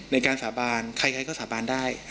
ในการสาบานใครก็สาบานได้